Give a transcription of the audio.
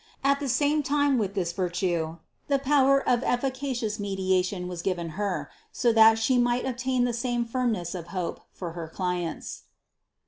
At the same time with this virtue the power of efficacious medi ation was given Her, so that She might obtain the same firmness of hope for her clients.